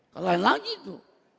kalau yang lain lagi itu